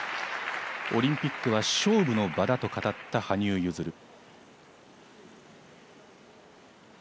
オリンピックは勝負の場だと語った羽生結弦。